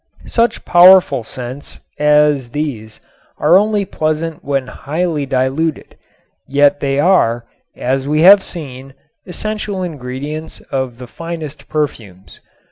Such powerful scents as these are only pleasant when highly diluted, yet they are, as we have seen, essential ingredients of the finest perfumes.